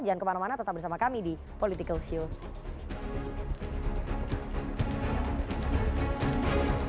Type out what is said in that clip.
jangan kemana mana tetap bersama kami di politikalshow